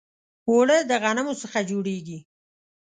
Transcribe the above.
اوړه د غنمو څخه جوړیږي